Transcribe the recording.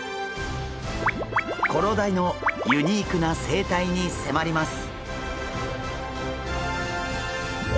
コロダイのユニークな生態に迫ります！